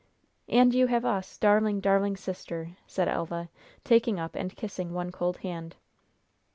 "And you have us, darling, darling sister," said Elva, taking up and kissing one cold hand.